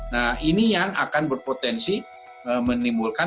nah ini yang akan berpotensi menimbulkan